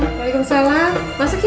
waalaikumsalam masuk ya